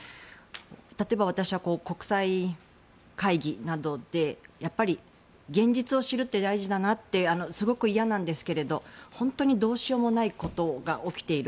例えば、私は国際会議などでやっぱり現実を知るって大事だなってすごく嫌なんですが本当にどうしようもないことが起きている。